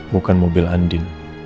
bukan mobil andi